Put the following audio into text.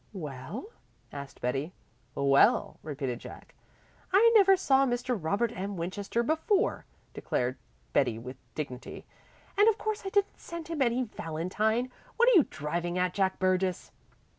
"Well?" said Betty. "Well?" repeated Jack. "I never saw Mr. Robert M. Winchester before," declared Betty with dignity, "and of course I didn't send him any valentine. What are you driving at, Jack Burgess?"